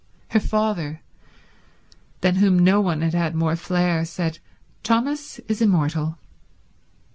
Her father, than whom no one had had more flair, said: "Thomas is immortal."